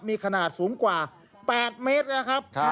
มีขนาดสูงกว่า๘เมตรนะครับ